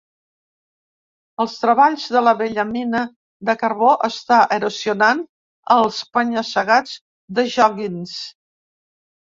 Els treballs de la vella mina de carbó està erosionant els penya-segats de Joggins.